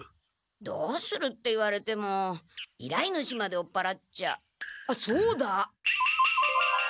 どうするって言われてもいらいぬしまで追っぱらっちゃあっそうだ！